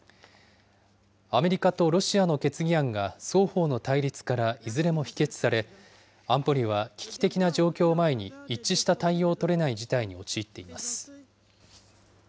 アメリカとロシアの決議案が双方の対立からいずれも否決され、安保理は危機的な状況を前に、一致した対応を取れない事態に陥っています。